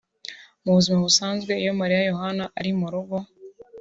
Mu buzima busanzwe iyo Maria Yohana ari mu rugo